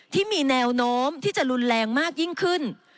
ที่มีแนวโน้มที่จะรุนแรงมากยิ่งขึ้น